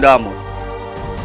saya tidak mau menjelaskan anda